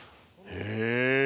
へえ。